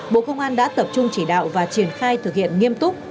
bộ công an đã tập trung chỉ đạo và triển khai thực hiện nghiêm túc